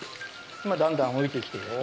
だんだん浮いてきて。